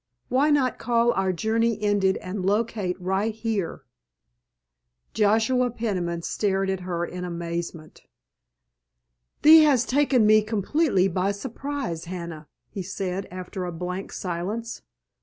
Why not call our journey ended and locate right here?" Joshua Peniman stared at her in amazement. "Thee has taken me completely by surprise, Hannah!" he said after a blank silence.